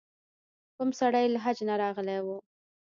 کوم سړی له حج نه راغلی و.